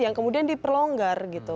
yang kemudian diperlonggar gitu